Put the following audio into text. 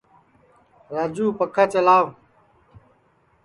راجُو پکھا چلاوَ